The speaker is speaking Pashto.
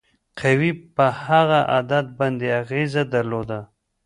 قوې په هغه عدد باندې اغیزه درلوده.